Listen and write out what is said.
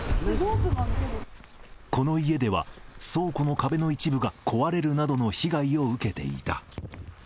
この家では、倉庫の壁の一部が壊れるなどの被害を受けていた。